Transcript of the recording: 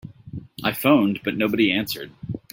I phoned but nobody answered.